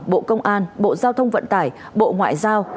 bộ công an bộ giao thông vận tải bộ ngoại giao